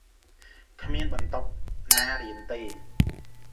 គ្មានបន្ទប់ណារៀនទេ ។